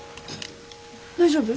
大丈夫？